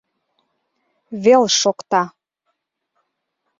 Вел шокта